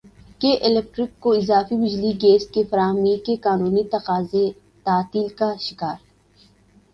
کے الیکٹرک کو اضافی بجلی گیس کی فراہمی کے قانونی تقاضے تعطل کا شکار